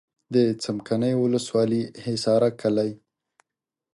د څمکنیو ولسوالي حصارک کلی.